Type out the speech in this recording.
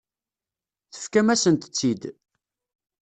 Tefkam-asent-tt-id.